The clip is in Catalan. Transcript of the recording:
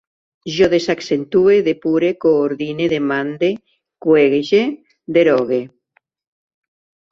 Jo desaccentue, depure, coordine, demande, cuege, derogue